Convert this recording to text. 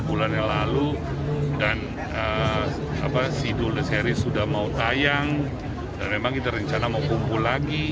bulan yang lalu dan apa sidul seri sudah mau tayang dan memang kita rencana mau kumpul lagi